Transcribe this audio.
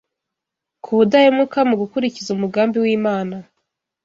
ku budahemuka mu gukurikiza umugambi w’Imana